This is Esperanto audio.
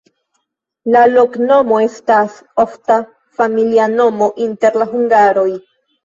La loknomo estas ofta familia nomo inter la hungaroj.